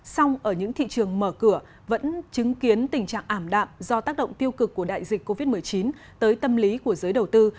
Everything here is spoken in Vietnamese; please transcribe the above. song ở những thị trường mở cửa vẫn chứng kiến tình trạng ảm đạm do tác động tiêu cực của đại dịch covid một mươi chín tới tâm lý của giới đầu tư